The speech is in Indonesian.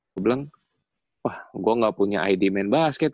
gua bilang wah gua ga punya id main basket